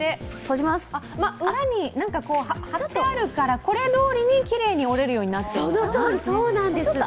裏に貼ってあるから、これに沿ってやればきれいに折れるようになってるんですね。